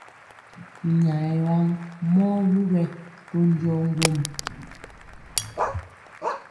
Nyayɛ yaŋ mɔ wuŋ ɓɛ to njɔɔ ŋgwom.